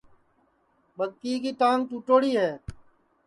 ٻگتیئے کی ٹانگ ٹُوٹوڑی ہے